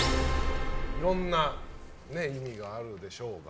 いろんな意味があるでしょうが。